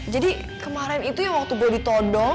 jadi kemaren itu yang waktu gua ditodong